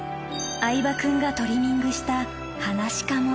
相葉君がトリミングしたハナシカも。